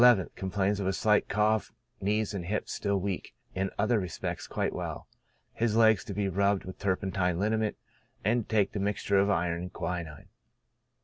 nth. — Complains of a slight cough, knees and hips still weak, in other respects quite well. His legs to be rubbed with turpentine liniment, and to take the mixture of iron and quinine.